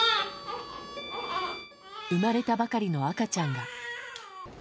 生まれたばかりの赤ちゃんが。